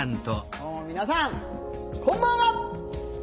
どうも皆さんこんばんは。